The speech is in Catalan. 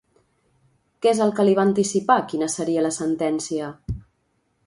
Què és el que li va anticipar quina seria la sentència?